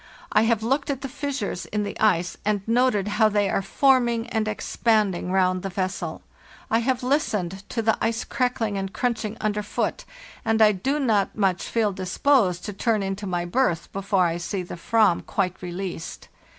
I have looked at the fissures in the ice and noted how they are forming and expanding round the vessel; I have listened to the ice crackling and crunching underfoot, and I do not feel much disposed to turn into my berth before I see the /vam quite released.